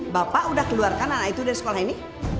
bapak udah keluarkan anak itu dari sekolah ini